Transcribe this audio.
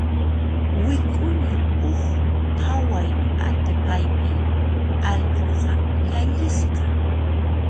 Wik'uña huk phaway atipaypi allquta llallisqa.